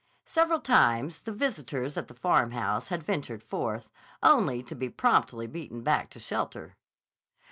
Several times the visitor at the Farmhouse had ventured forth, only to be promptly beaten back to shelter.